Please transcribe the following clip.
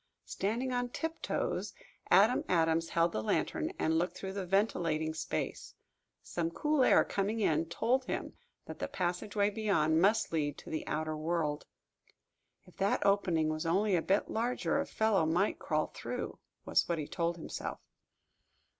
Standing on tiptoes, Adam Adams held up the lantern and looked through the ventilating space. Some cool air coming in, told him that the passageway beyond must lead to the outer world. "If that opening was only a bit larger a fellow might crawl through," was what he told himself.